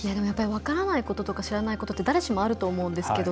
分からないこととか知らないことって誰しもあると思うんですけど